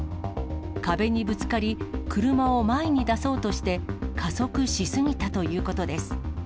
壁にぶつかり、車を前に出そうとして、加速し過ぎたということです。